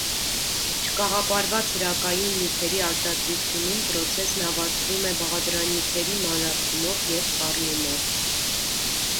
Չկաղապարված հրակայուն նյութերի արտադրությունում պրոցեսն ավարտվում է բաղադրանյութերի մանրացումով և խառնումով։